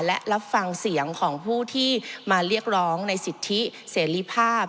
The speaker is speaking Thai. และรับฟังเสียงของผู้ที่มาเรียกร้องในสิทธิเสรีภาพ